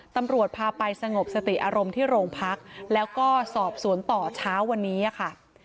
ตำรวจพาไปสงบสติอารมณ์ที่โรงพักแล้วก็สอบสวนต่อเช้าวันนี้ค่ะ